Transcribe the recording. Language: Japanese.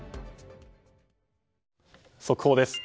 速報です。